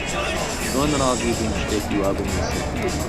چۆن ڕازی بووم شتێکی وا بنووسم؟